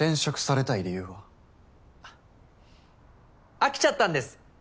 飽きちゃったんです。